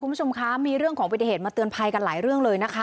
คุณผู้ชมคะมีเรื่องของปฏิเหตุมาเตือนภัยกันหลายเรื่องเลยนะคะ